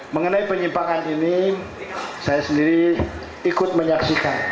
mengenai penyimpangan ini saya sendiri ikut menyaksikan